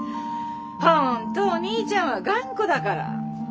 本当お兄ちゃんは頑固だから静も困るよね。